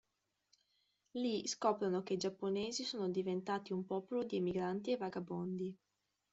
Lì scoprono che i giapponesi sono diventati un popolo di emigranti e vagabondi.